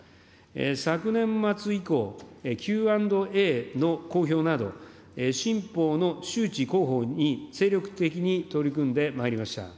昨年末以降、Ｑ＆Ａの公表など、新法の周知・広報に精力的に取り組んでまいりました。